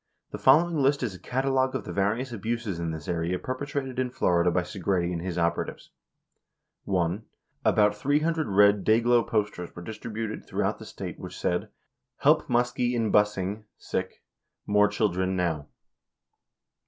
The following list is a catalog of the various abuses in this area perpetrated in Florida by Segretti and his operatives. 1. About 300 red clay glow posters were distributed throughout the State which said, "Help Muskie in Bussing More Children now."